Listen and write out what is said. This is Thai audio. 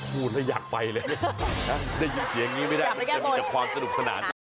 พูดแล้วอยากไปเลยนะฮะได้ยินเสียงงี้ไม่ได้